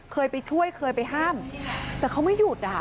เคยไปช่วยเคยไปห้ามแต่เขาไม่หยุดอ่ะ